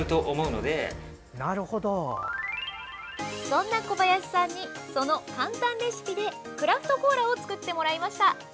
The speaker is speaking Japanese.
そんな小林さんにその簡単レシピでクラフトコーラを作ってもらいました。